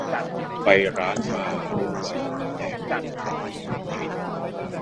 ไปร้าน มาด้วย แต่ผิดหวังสุดฤทธิ์